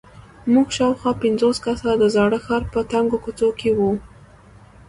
موږ شاوخوا پنځوس کسه د زاړه ښار په تنګو کوڅو کې وو.